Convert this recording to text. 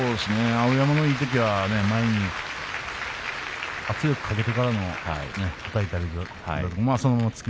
碧山のいいときは前に圧力をかけてからのはたき。